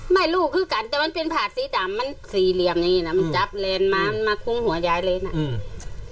ไม่รู้คือกันแต่มันเป็นผาดสีดำมันสี่เหลี่ยมอย่างงี้น่ะมันจับเลนมามันมาคุ้มหัวยายเลนอ่ะอืม